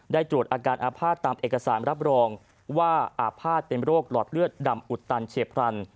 ตรวจอาการอาภาษณ์ตามเอกสารรับรองว่าอาภาษณ์เป็นโรคหลอดเลือดดำอุดตันเฉียบพลัน